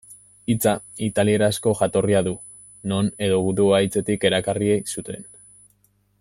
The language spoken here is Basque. Hitza italierazko jatorria du, non edo gudua hitzetik erakarri zuten.